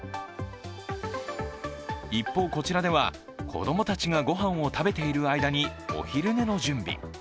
一方、こちらでは子供たちがご飯を食べている間にお昼の準備。